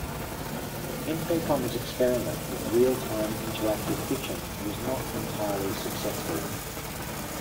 Infocom's experiment with real-time interactive fiction was not entirely successful.